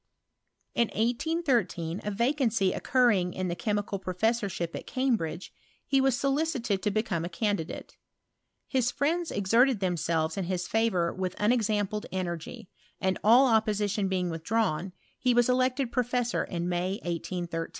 P&0GBE8S OJt ANALYTICAL CHEMISTRY. 239 In 1813, a vacancy occurring in the chemical pro fessorship at Cambridge, he was solicited to become a candidate. His friends exerted themselves in his favour with unexampled energy ; and all opposition being withdrawn, he was elected professor m May^ 1813.